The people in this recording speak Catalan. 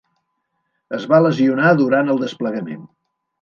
Es va lesionar durant el desplegament.